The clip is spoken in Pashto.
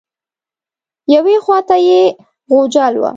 یوې خوا ته یې غوجل وه.